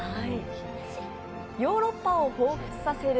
ヨーロッパをほうふつさせる